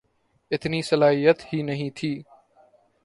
اتنی صلاحیت ہی نہ تھی۔